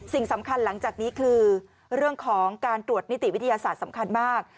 สิ่งสำคัญหลังจากนี้คือเรื่องของการตรวจนิติวิทยาศาสตร์สำคัญมาก